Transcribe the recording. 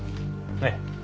ええ。